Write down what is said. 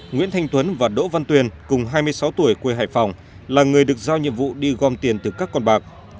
nguyễn thanh tuấn và đỗ văn tuyên cùng hai mươi sáu tuổi quê hải phòng là người được giao nhiệm vụ đi gom tiền từ các con bạc